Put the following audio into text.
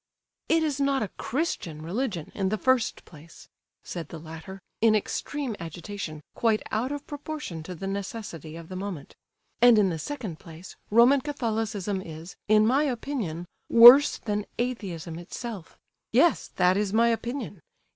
"It is not a Christian religion, in the first place," said the latter, in extreme agitation, quite out of proportion to the necessity of the moment. "And in the second place, Roman Catholicism is, in my opinion, worse than Atheism itself. Yes—that is my opinion.